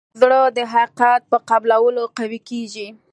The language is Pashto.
زړه د حقیقت په قبلولو قوي کېږي.